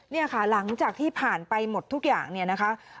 เนี่ยค่ะหลังจากที่ผ่านไปหมดทุกอย่างเนี่ยนะคะ